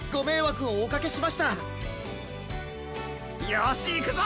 よしいくぞ！